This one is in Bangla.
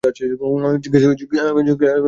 জিজ্ঞেসই তো করোনি।